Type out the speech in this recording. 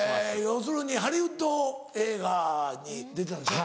要するにハリウッド映画に出てたんでしょ。